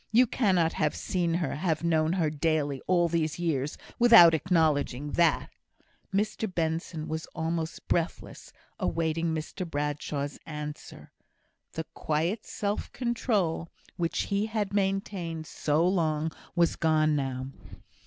You cannot have seen her have known her daily, all these years, without acknowledging that!" Mr Benson was almost breathless, awaiting Mr Bradshaw's answer. The quiet self control which he had maintained so long, was gone now.